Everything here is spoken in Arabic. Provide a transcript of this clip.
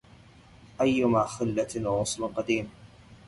أيما خلة ووصل قديم